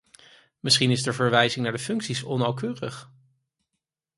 Misschien is de verwijzing naar de functies onnauwkeurig.